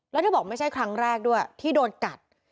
แล้วเธอบอกไม่ใช่ครั้งแรกด้วยที่โดนกัด